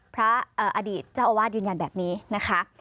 อดีตเจ้าอาวาสยืนยันแบบนี้นะคะ